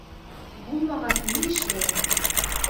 Булмағас, ни эшләйем?